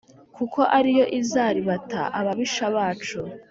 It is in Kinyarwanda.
kuko ari yo izaribata ababisha bacu.